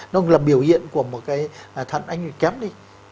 nó cũng là biểu hiện của một cái thận anh kém đi